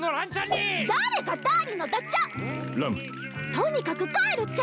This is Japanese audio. とにかく帰るっちゃ。